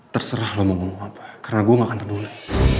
terserah lo mau apa karena gue gak akan peduli